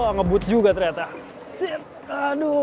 ngebut juga ternyata